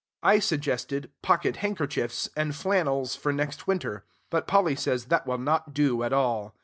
I suggested pocket handkerchiefs, and flannels for next winter. But Polly says that will not do at all.